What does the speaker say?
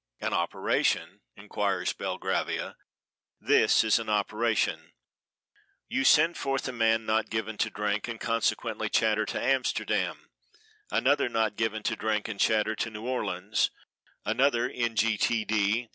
"An operation?" inquires Belgravia. This is an operation: You send forth a man not given to drink and consequently chatter to Amsterdam, another not given to drink and chatter to New Orleans, another n. g. t.